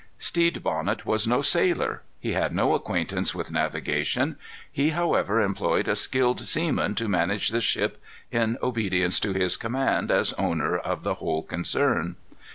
Stede Bonnet was no sailor. He had no acquaintance with navigation. He, however, employed a skilled seaman to manage the ship in obedience to his commands as owner of the whole concern.